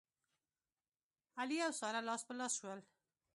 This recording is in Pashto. علي او ساره لاس په لاس شول.